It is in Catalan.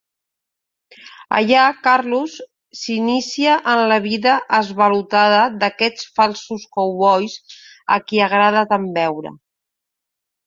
Allà Carlos s'inicia en la vida esvalotada d'aquests falsos cowboys a qui agrada tant beure.